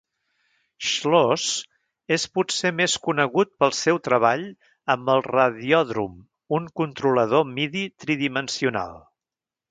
Schloss és potser més conegut pel seu treball amb el Radiodrum, un controlador MIDI tridimensional.